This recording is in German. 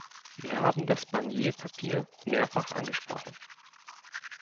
Sie haben das Barnier-Papier mehrfach angesprochen.